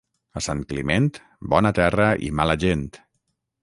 A Sant Climent, bona terra i mala gent.